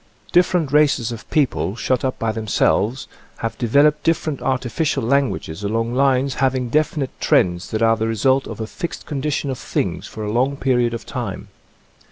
Different races of people, shut up by themselves, have developed different artificial languages along lines having definite trends that are the result of a fixed condition of things for a long period of time.